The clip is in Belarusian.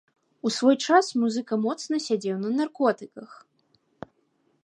У свой час музыка моцна сядзеў на наркотыках.